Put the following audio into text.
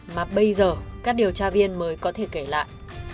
mà bây giờ các điều tra viên mới có thể kể lại